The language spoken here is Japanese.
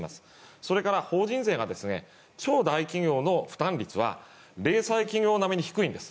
それから法人税が超大企業の負担率は零細企業並みに低いんです。